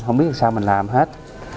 không biết sao mình làm hết